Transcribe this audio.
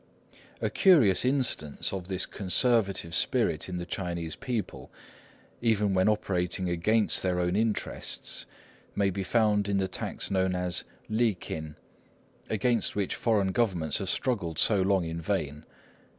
A curious instance of this conservative spirit in the Chinese people, even when operating against their own interests, may be found in the tax known as likin, against which foreign governments have struggled so long in vain.